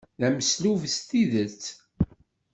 D ameslub s tidet.